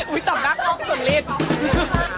อุ๊ยจับหน้ากล้องสุดฤทธิ์